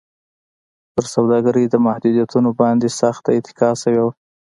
پر سوداګرۍ د محدودیتونو باندې سخته اتکا شوې وه.